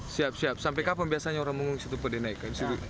siap siap sampai kapan biasanya orang mengungsi ke situ pada naik